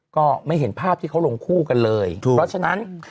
ก็ไม่เห็นภาพที่เขาลงคู่กันเลยถูกเพราะฉะนั้น